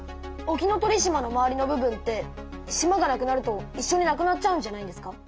沖ノ鳥島の周りの部分って島が無くなるといっしょに無くなっちゃうんじゃないんですか？